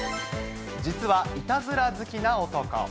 実はいたずら好きな男。